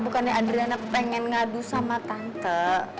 bukannya adriana pengen ngadu sama tante